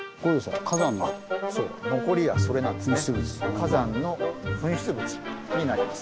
火山の噴出物になります。